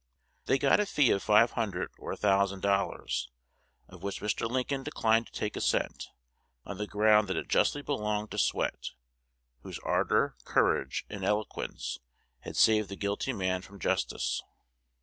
They got a fee of five hundred or a thousand dollars; of which Mr. Lincoln declined to take a cent, on the ground that it justly belonged to Swett, whose ardor, courage, and eloquence had saved the guilty man from justice.